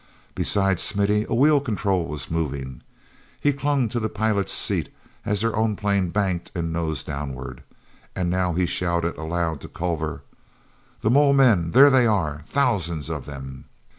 Beside Smithy a wheel control was moving. He clung to the pilot's seat as their own plane banked and nosed downward. And now he shouted aloud to Culver: "The mole men! There they are! Thousands of them!"